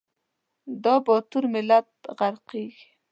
دا باتور ملت غرقیږي